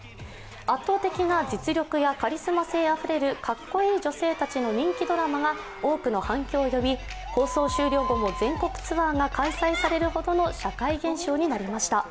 圧倒的な実力やカリスマ性あふれるかっこいい女性たちの人気ドラマが多くの反響を呼び、放送終了後も全国ツアーが開催されるほどの社会現象になりました。